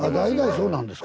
そうなんです。